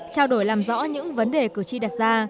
trao đổi làm rõ những vấn đề cử tri đặt ra